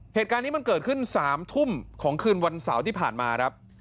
เหตุการณ์นี้มันเกิดขึ้น๓ทุ่มของคืนวันเสาร์ที่ผ่านมาครับ